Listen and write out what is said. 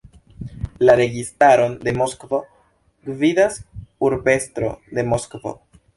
La Registaron de Moskvo gvidas Urbestro de Moskvo.